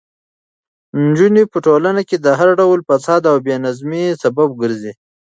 نجونې په ټولنه کې د هر ډول فساد او بې نظمۍ سبب ګرځي.